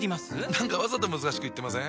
何かわざと難しく言ってません？